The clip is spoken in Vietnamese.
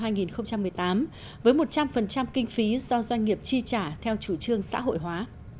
với một trăm linh kinh phí do doanh nghiệp chi trả theo chủ trương xã hội hóa